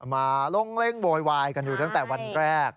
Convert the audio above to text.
มาลงเล่นโวยวายกันอยู่ตั้งแต่วันแรก